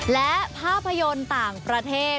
และภาพยนตร์ต่างประเทศ